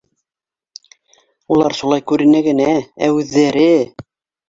— Улар шулай күренә генә, ә үҙҙәре.